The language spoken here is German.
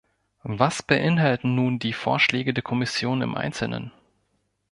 Was beinhalten nun die Vorschläge der Kommission im Einzelnen?